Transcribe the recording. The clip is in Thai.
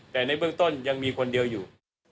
แต่ในเบื้องต้นยังมีคนเดียวอยู่